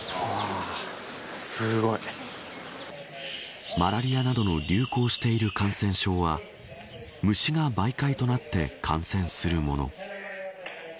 すマラリアなどの流行している感染症は虫が媒介となって感染するもの。